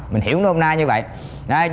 mình hiểu không hôm nay như vậy